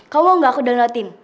kamu mau gak aku downloadin